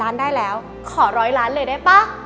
ล้านได้แล้วขอร้อยล้านเลยได้ป่ะ